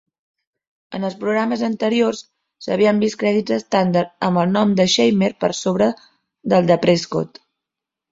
En els programes anteriors s'havien vist crèdits estàndard amb el nom de Scheimer per sobre del de Prescott.